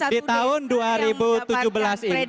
di tahun dua ribu tujuh belas ini